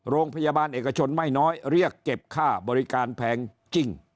โรงพยาบาลเอกชนไม่น้อยเรียกเก็บค่าบริการแพงจริง